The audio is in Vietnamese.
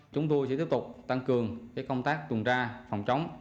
chúng tôi sẽ tiếp tục tăng cường công tác tuần tra phòng chống